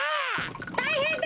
たいへんだ！